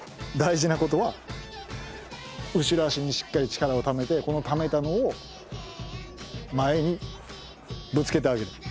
大事なことは後ろ足にしっかり力をためてこのためたのを前にぶつけてあげる。